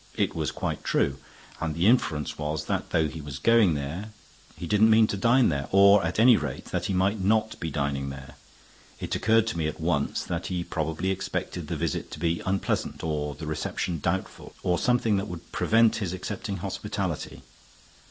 It was quite true; and the inference was that, though he was going there, he didn't mean to dine there. Or, at any rate, that he might not be dining there. It occurred to me at once that he probably expected the visit to be unpleasant, or the reception doubtful, or something that would prevent his accepting hospitality.